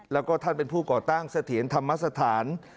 แล้วก็ท่านเป็นผู้ก่อตั้งเสถียรธรรมสถาน